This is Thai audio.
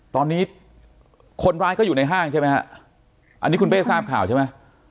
ตอนนี้คนร้านก็อยู่ในห้างใช่มั้ยครับอันนี้คุณเป้ทราบข่าวใช่มั้ย